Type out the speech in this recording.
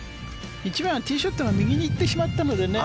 １番、ティーショットが右に行ってしまったのでね